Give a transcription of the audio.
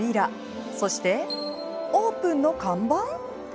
そして、オープンの看板？